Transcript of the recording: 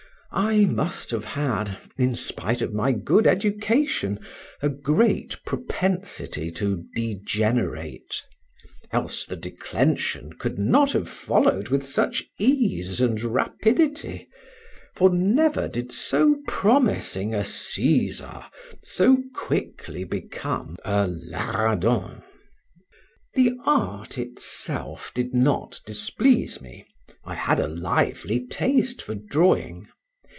I must have had, in spite of my good education, a great propensity to degenerate, else the declension could not have followed with such ease and rapidity, for never did so promising a Caesar so quickly become a Laradon. The art itself did not displease me. I had a lively taste for drawing.